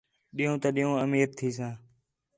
ݙِین٘ہوں تا ݙِین٘ہوں امیر تھیساں